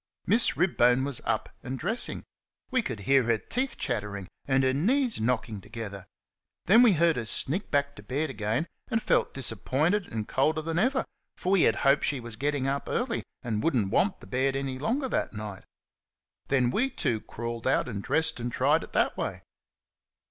Miss Ribbone was up and dressing. We could hear her teeth chattering and her knees knocking together. Then we heard her sneak back to bed again and felt disappointed and colder than ever, for we had hoped she was getting up early, and would n't want the bed any longer that night. Then we too crawled out and dressed and tried it that way.